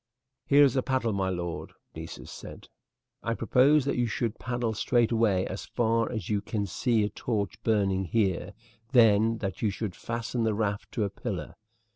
"Here is a paddle, my lord," Nessus said. "I propose that you should paddle straight away as far as you can see a torch burning here; then that you should fasten the raft to a pillar.